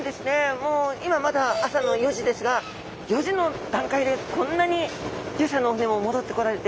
もう今まだ朝の４時ですが４時の段階でこんなに漁師さんの船も戻ってこられて。